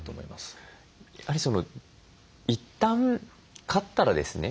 やはり一旦飼ったらですね